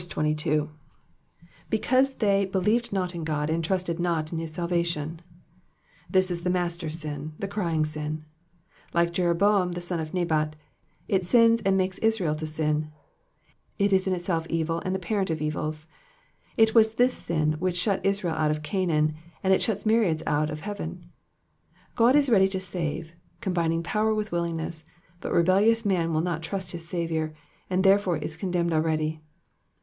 23. ^^Beaitaie tliey belieoed not in God, and trusted not in his salvation,'*^ This is the master sin, the crying sin. Like Jeroboam, the son of Nebat, it sins and makes Israel to sin ; it is in Itself evil and the parent of evils. It was this sin which shut Israel out of Canaan, and it shuts myriads out of heaven. God is ready to save, combining power with willingness, but rebellious man will not trust his Saviour, and therefore is condemned already.